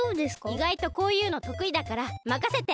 いがいとこういうのとくいだからまかせて！